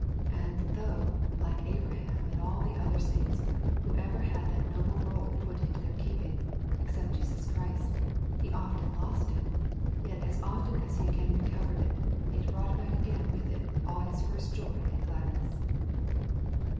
And though, like Abraham and all the other saints who ever had that noble roll put into their keeping, except Jesus Christ, he often lost it, yet as often as he again recovered it, it brought back again with it all his first joy and gladness.